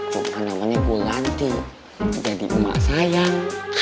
cuma namanya gue lantik jadi emak sayang